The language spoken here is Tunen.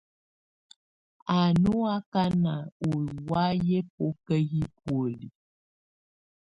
Á nɔ̀ akanà ù wayɛ̀á ɛbɔka yi bɔ̀óli.